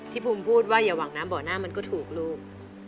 ภูมิพูดว่าอย่าหวังน้ำเบาะหน้ามันก็ถูกลูก